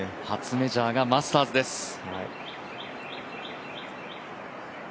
初メジャーがマスターズです。